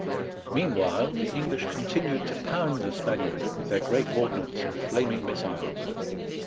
Meanwhile, the EngKsh continued to pound the Spaniard with their great ordnance and flaming missiles.